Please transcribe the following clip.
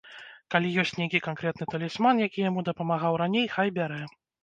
Калі ёсць нейкі канкрэтны талісман, які яму дапамагаў раней, хай бярэ.